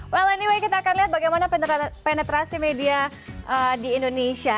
well anyway kita akan lihat bagaimana penetrasi media di indonesia